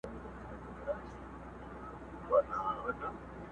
د ګنجي په ژبه بل ګنجی پوهېږي؛